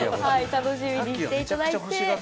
楽しみにしていただいて。